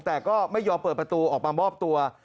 แต่ก็ไม่ยอมเปิดประตูออกมามอบตัว